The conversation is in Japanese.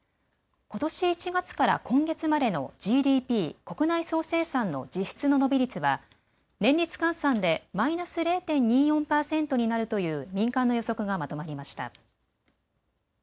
ことし１月から今月までのＧＤＰ・国内総生産の実質の伸び率は、年率換算でマイナス０．２４％になるという民間の予測がまとまりました。